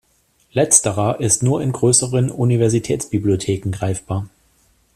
Letzterer ist nur in größeren Universitätsbibliotheken greifbar.